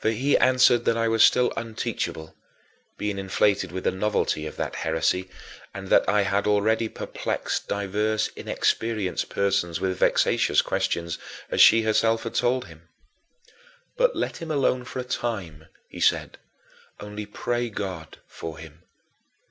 For he answered that I was still unteachable, being inflated with the novelty of that heresy, and that I had already perplexed divers inexperienced persons with vexatious questions, as she herself had told him. "But let him alone for a time," he said, "only pray God for him.